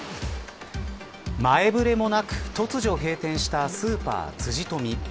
前触れもなく突如閉店したスーパー、ツジトミ。